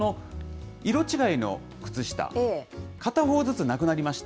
色違いの靴下、片方ずつなくなりました。